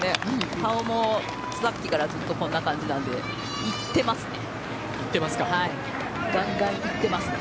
顔もさっきからずっとこんな感じなんでいってますね。